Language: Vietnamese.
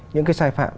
những cái sai phạm